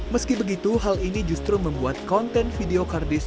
meski begitu hal ini justru membuat konten video kardis